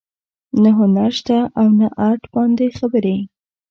نه هنر شته او نه ارټ باندې خبرې